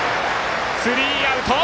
スリーアウト！